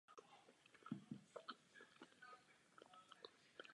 Správný čas na letní řez je uváděn od poloviny července do poloviny srpna.